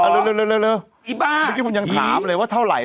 เร็วเร็วเร็วเร็วเร็วอีบ้าเมื่อกี้ผมยังถามเลยว่าเท่าไหร่